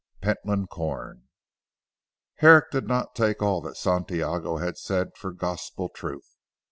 PENTLAND CORN Herrick did not take all that Santiago had said for gospel truth.